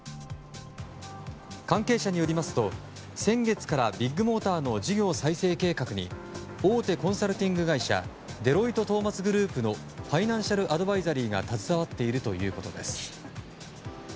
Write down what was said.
関係者によりますと、先月からビッグモーターの事業再生計画に大手コンサルティング会社デロイトトーマツグループのファイナンシャルアドバイザリーが携わっているということです。